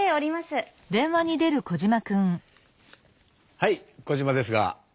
はいコジマですが。